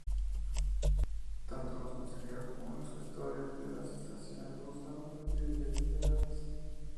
Tanto los mensajeros como los gestores de las estaciones gozaban de privilegios legales.